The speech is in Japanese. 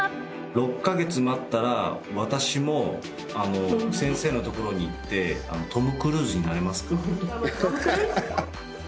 ６か月待ったら私も先生の所に行って、トム・クルーズになれますか？